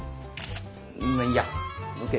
まっいいやＯＫ。